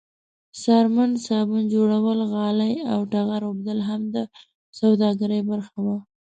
څرمن، صابون جوړول، غالۍ او ټغر اوبدل هم د سوداګرۍ برخه وه.